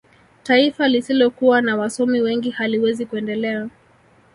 taifa lisilokuwa na wasomi wengi haliwezi kuendelea